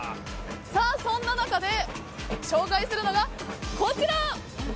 そんな中で、紹介するのがこちら。